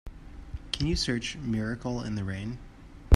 Can you search Miracle in the Rain?